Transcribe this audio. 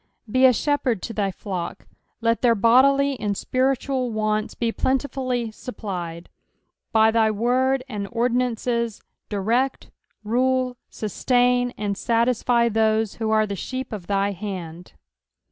Be a shepherd to thy flock, let their bodily and spiritual wants be plentifully supplied. By thy word, and ordinances, direct, rule, sustain, and satisfy those who are the sheep of thy hand.